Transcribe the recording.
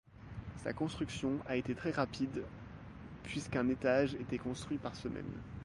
Sa construction a été très rapide puisqu'un étage était construit par semaine.